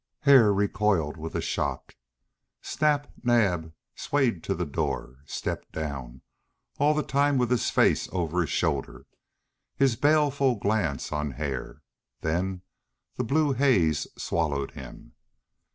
Ha! Ha!" Hare recoiled with a shock. Snap Naab swayed to the door, and stepped down, all the time with his face over his shoulder, his baleful glance on Hare; then the blue haze swallowed him.